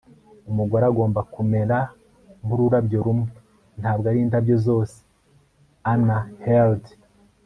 umugore agomba kumera nk'ururabyo rumwe, ntabwo ari indabyo zose - anna held